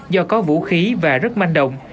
do có vũ khí và rất manh động